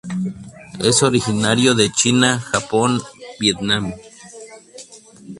Es originario de China, Japón, Vietnam.